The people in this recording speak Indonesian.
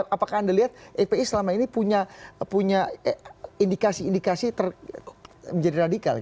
apakah anda lihat fpi selama ini punya indikasi indikasi menjadi radikal